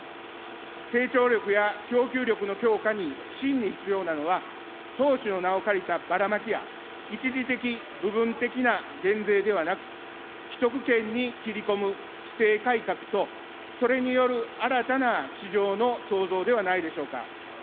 成長力や供給力の強化に真に必要なのは、投資の名を借りたバラマキや、一時的、部分的な減税ではなく、既得権に切り込む規制改革とそれによる新たな市場の創造ではないでしょうか。